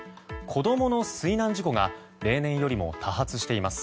子供の水難事故が例年よりも多発しています。